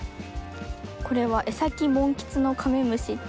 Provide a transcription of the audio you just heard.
これはエサキモンキツノカメムシっていう。